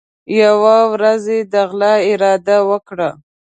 یوه ورځ یې د غلا اراده وکړه.